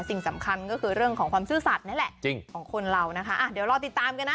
สิ่งสำคัญก็คือเรื่องของความชื่อสัตย์นั่นแหละเดี๋ยวรอติดตามกันนะ